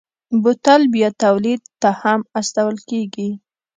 بوتل بیا تولید ته هم استول کېږي.